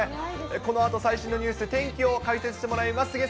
このあと最新のニュースと天気を解説してもらいます。